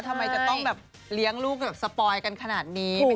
ทำไมต้องเลี้ยงลูกสปอยกันขนาดนี้